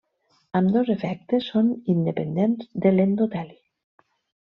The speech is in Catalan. Ambdós efectes són independents de l'endoteli.